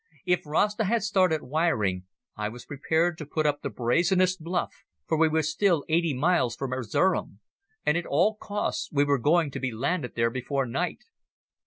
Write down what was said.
If Rasta had started wiring I was prepared to put up the brazenest bluff, for we were still eighty miles from Erzerum, and at all costs we were going to be landed there before night.